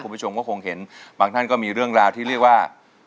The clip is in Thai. คุณผู้ชมก็คงเห็นบางท่านก็มีเรื่องราวที่เรียกว่า